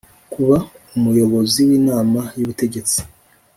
Kuba umuyobozi w inama y ubutegetsi